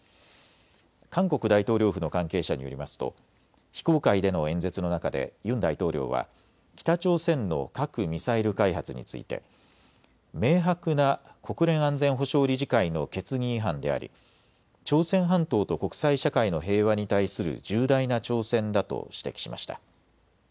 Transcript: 韓国大統領府の関係者によりますと非公開での演説の中でユン大統領は北朝鮮の核・ミサイル開発について明白なな国連安全保障理事会の決議違反であり朝鮮半島と国際社会の平和に対する重大な挑戦だと指摘しました。